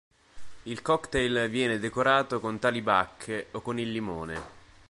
Il cocktail viene decorato con tali bacche o con il limone.